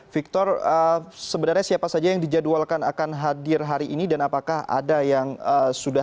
victor sebenarnya siapa saja yang dijadwalkan akan hadir hari ini dan apakah ada yang sudah